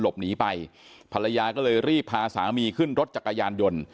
หลบหนีไปภรรยาก็เลยรีบพาสามีขึ้นรถจักรยานยนต์